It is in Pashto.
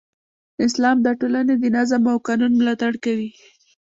اسلام د ټولنې د نظم او قانون ملاتړ کوي.